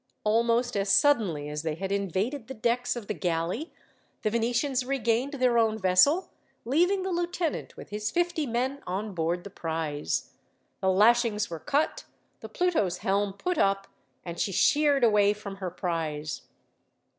Almost as suddenly as they had invaded the decks of the galley, the Venetians regained their own vessel, leaving the lieutenant with his fifty men on board the prize. The lashings were cut, the Pluto's helm put up, and she sheered away from her prize.